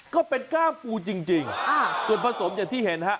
ก็เป็นก้ามปูจริงโอ้โหคือผสมจากที่เห็นครับ